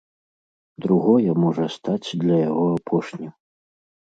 Другое можа стаць для яго апошнім.